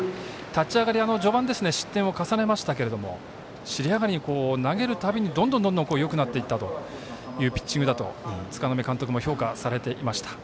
立ち上がり、序盤失点を重ねましたけれども尻上がりに投げるたびにどんどんよくなっていったというピッチングだと柄目監督も評価されていました。